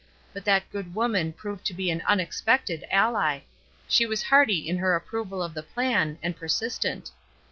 But that good woman proved to be an unexpected ally; she was hearty in her approval of the plan, and persistent.